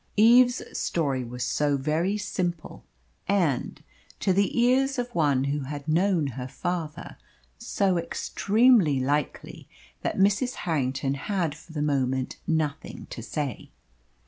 Eve's story was so very simple and, to the ears of one who had known her father, so extremely likely, that Mrs. Harrington had for the moment nothing to say.